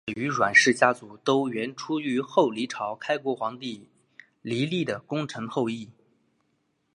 郑氏与阮氏家族都源出于后黎朝开国皇帝黎利的功臣后裔。